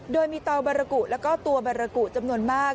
โดยมีเตาบารกุแล้วก็ตัวบารากุจำนวนมาก